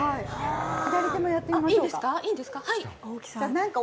左手もやってみましょうか。